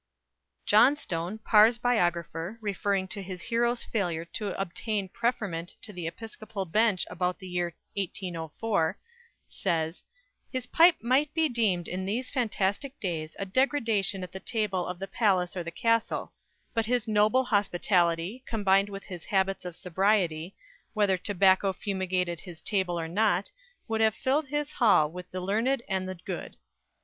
Johnstone, Parr's biographer, referring to his hero's failure to obtain preferment to the Episcopal Bench about the year 1804, says "His pipe might be deemed in these fantastic days a degradation at the table of the palace or the castle; but his noble hospitality, combined with his habits of sobriety, whether tobacco fumigated his table or not, would have filled his hall with the learned and the good."